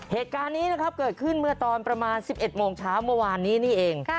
เหตุการณ์นี้นะครับเกิดขึ้นเมื่อตอนประมาณ๑๑โมงเช้าเมื่อวานนี้นี่เอง